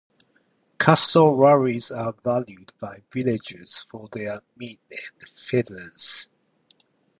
Cassowaries are valued by villagers for their meat and feathers.